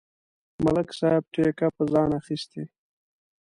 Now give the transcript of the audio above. ملک صاحب ټېکه په ځان اخستې.